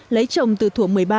lấy chồng từ thủ một mươi ba